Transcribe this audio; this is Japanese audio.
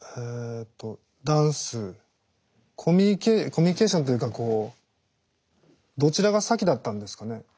コミュニケーションというかこうどちらが先だったんですかね？